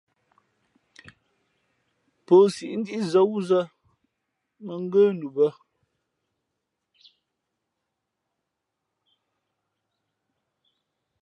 Pō siʼ ndí zᾱ wúzᾱ mᾱ ngə́ nu bᾱ.